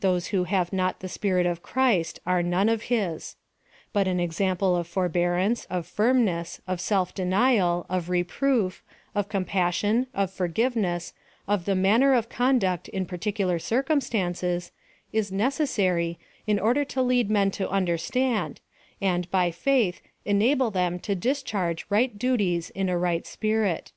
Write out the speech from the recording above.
Those who have not the Spirit of Christ are none of his. But an example of forbearance, of firmness, of self denial, of reproof, of compassion, of forgiveness, of the manner of conduct in particular circumstances, is necessary, in order to lead men to understand, and, by faith, enable them to discharge right duties in a right spirit.